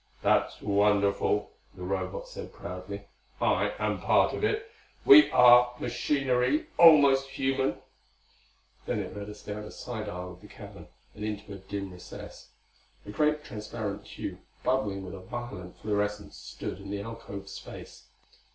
"That's wonderful," the Robot said proudly. "I am part of it. We are machinery almost human." Then it led us down a side aisle of the cavern and into a dim recess. A great transparent tube bubbling with a violet fluorescence stood in the alcove space.